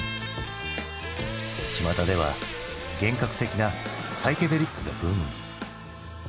ちまたでは幻覚的な「サイケデリック」がブームに。